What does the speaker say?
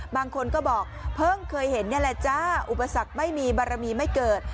บางคนก็บอกเพิ่งเคยเห็นนี่แหละจ้าอุปสรรคไม่มีบารมีไม่เกิด